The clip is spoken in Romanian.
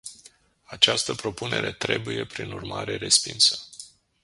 Această propunere trebuie, prin urmare, respinsă.